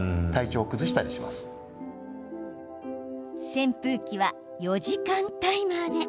扇風機は４時間タイマーで。